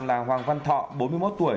là hoàng văn thọ bốn mươi một tuổi